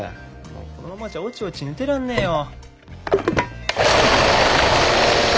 もうこのままじゃおちおち寝てらんねえよ。